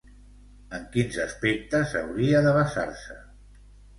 En quins aspectes hauria de basar-se?